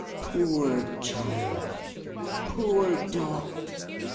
Poor child! Poor Dot!